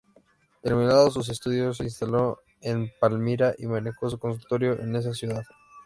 Terminados sus estudios se instaló en Palmira y manejó su consultorio en esa ciudad.